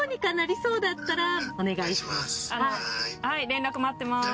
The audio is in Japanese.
連絡待ってます。